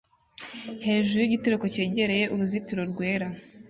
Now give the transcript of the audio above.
hejuru yigitereko cyegereye uruzitiro rwera